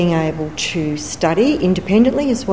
dan juga bisa belajar secara independen